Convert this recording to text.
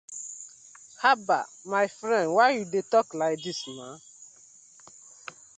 Habbah my friend why yu dey tok like dis na.